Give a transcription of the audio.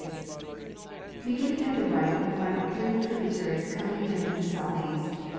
IVibutnnes. Beginning at the right, we find three tributaries coming in from the southeast.